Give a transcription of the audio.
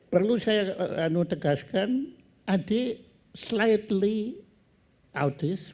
perlu saya tegaskan adik irawan sedikit audis